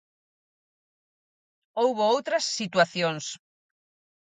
Houbo outras situacións.